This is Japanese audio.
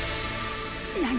何！？